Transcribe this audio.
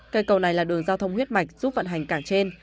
cây cầu này là đường giao thông huyết mạch giúp vận hành cảng trên